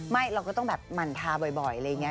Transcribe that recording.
เราก็ต้องแบบหมั่นทาบ่อยอะไรอย่างนี้